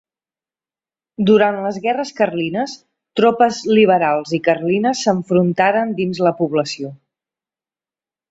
Durant les Guerres Carlines, tropes liberals i carlines s'enfrontaren dins la població.